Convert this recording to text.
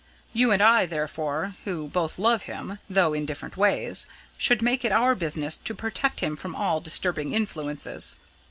You and I, therefore, who both love him, though in different ways, should make it our business to protect him from all disturbing influences.